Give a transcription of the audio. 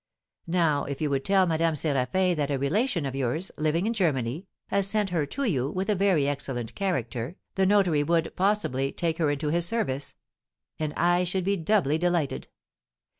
Now, if you would tell Madame Séraphin that a relation of yours, living in Germany, has sent her to you, with a very excellent character, the notary would, possibly, take her into his service; and I should be doubly delighted.